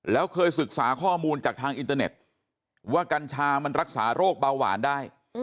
แล้วเคยศึกษาข้อมูลจากทางอินเตอร์เน็ตว่ากัญชามันรักษาโรคเบาหวานได้